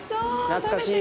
懐かしい。